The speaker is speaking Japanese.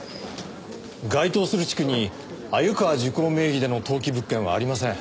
該当する地区に鮎川珠光名義での登記物件はありません。